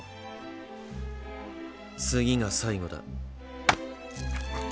次が最後だ。